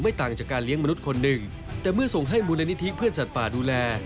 ต่างจากการเลี้ยงมนุษย์คนหนึ่งแต่เมื่อส่งให้มูลนิธิเพื่อนสัตว์ป่าดูแล